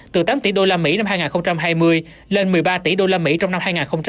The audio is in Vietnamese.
từ tám tỷ usd năm hai nghìn hai mươi lên một mươi ba tỷ usd trong năm hai nghìn hai mươi